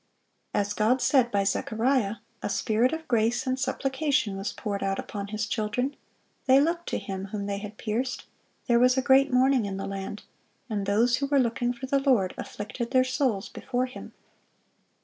As God said by Zechariah, a spirit of grace and supplication was poured out upon His children; they looked to Him whom they had pierced, there was a great mourning in the land, ... and those who were looking for the Lord afflicted their souls before Him."